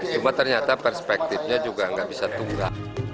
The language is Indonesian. cuma ternyata perspektifnya juga nggak bisa tunggak